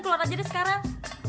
keluar aja deh sekarang